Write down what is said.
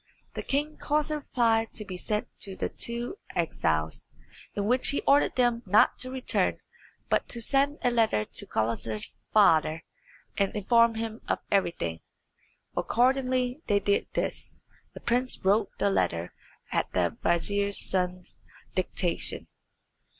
The king caused a reply to be sent to the two exiles, in which he ordered them not to return, but to send a letter to Gulizar's father, and inform him of everything. Accordingly they did this; the prince wrote the letter at the vizier's son's dictation.